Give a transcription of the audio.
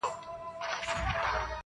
د یارانو پکښي سخت مخالفت سو،